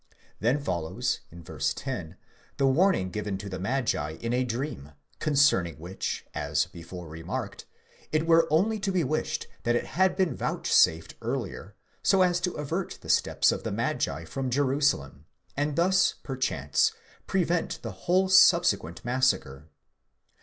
Then follows (v. 10) the warning given to the magi in a dream, concerning which, as before remarked, it were only to be wished that it had been vouchsafed earlier, so as to avert the steps of the magi from Jerusalem, and thus perchance prevent the whole subsequent massacre.